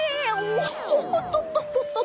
おっとっとっとっと。